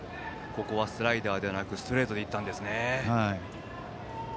ここはスライダーではなくストレートでいったんですね。